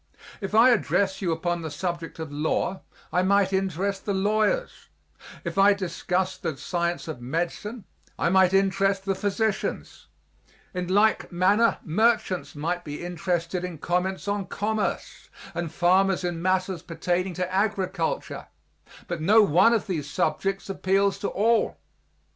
If I addrest you upon the subject of law I might interest the lawyers; if I discust the science of medicine I might interest the physicians; in like manner merchants might be interested in comments on commerce, and farmers in matters pertaining to agriculture; but no one of these subjects appeals to all.